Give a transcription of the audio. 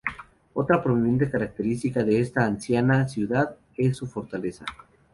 Otra prominente característica de esta anciana ciudad es su fortaleza.